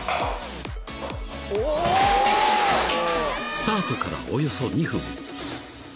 ［スタートからおよそ２分］